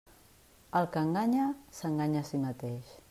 El que enganya, s'enganya a si mateix.